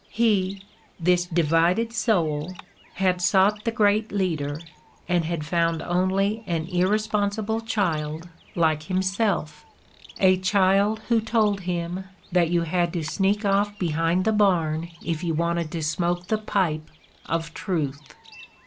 He, this divided soul, had sought the great leader and had found only an irresponsible child like himself, a child who told him that you had to sneak off behind the barn if you wanted to smoke the pipe of truth.